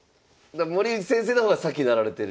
森内先生の方が先になられてる。